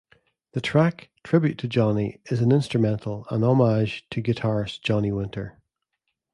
The track "Tribute to Johnny" is an instrumental, a homage to guitarist Johnny Winter.